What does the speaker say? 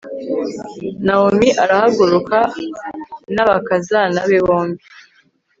nawomi arahaguruka n'abakazana be bombi